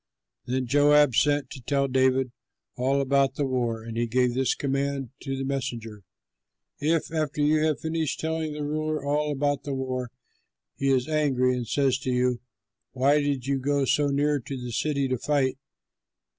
Then Joab sent to tell David all about the war, and he gave this command to the messenger: "If, after you have finished telling the ruler all about the war, he is angry and says to you, 'Why did you go so near to the city to fight?